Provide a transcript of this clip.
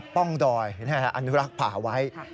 ป้องดอยอนุรักษ์ป่าไว้